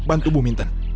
bantu bu minta